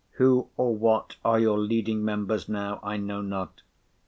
Who or what are your Leading Members now, I know not.